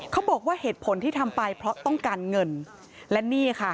เขาบอกว่าเหตุผลที่ทำไปเพราะต้องการเงินและนี่ค่ะ